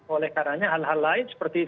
oleh karena hal hal lain seperti